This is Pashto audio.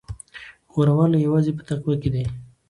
غوره والی یوازې په تقوی کې دی.